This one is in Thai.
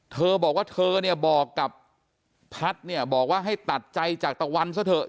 เธอบอกว่าเธอเนี่ยบอกกับพัฒน์เนี่ยบอกว่าให้ตัดใจจากตะวันซะเถอะ